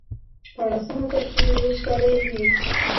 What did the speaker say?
شپاړسمه برخه د وچکالۍ ویر.